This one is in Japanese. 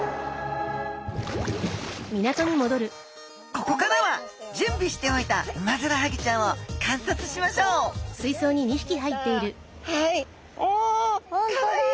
ここからはじゅんびしておいたウマヅラハギちゃんを観察しましょうはい！おかわいい。